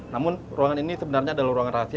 namun ruangan ini sebenarnya adalah ruangan rahasia